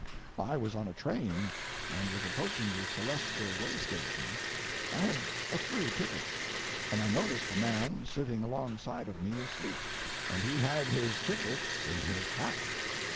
I was on a train, and was approaching the celestial way station—I had a through ticket—and I noticed a man sitting alongside of me asleep, and he had his ticket in his hat.